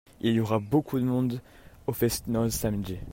Il y aura beaucoup de monde au fest-noz samedi.